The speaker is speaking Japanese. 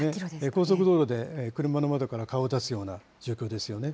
高速道路で車の窓から顔を出すような状況ですよね。